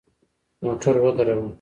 موټر ودروه !